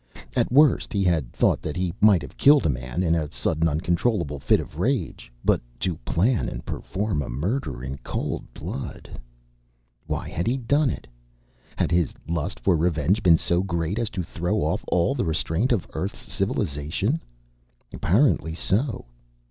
At worst, he had thought that he might have killed a man in a sudden uncontrollable fit of rage. But to plan and perform a murder in cold blood.... Why had he done it? Had his lust for revenge been so great as to throw off all the restraint of Earth's civilization? Apparently so.